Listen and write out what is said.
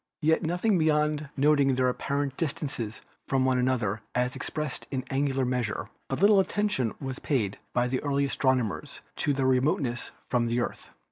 Yet beyond noting their apparent distances from one another as expressed in angular measure, but little attention was paid by the early astronomers to their remoteness from the Earth.